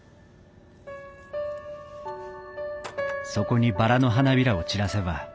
そこにバラの花びらを散らせば